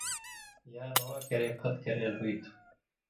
یا روا کرے پھت کریل ہُوئ تھُو۔